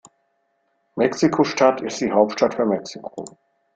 Mexiko-Stadt ist die Hauptstadt von Mexiko.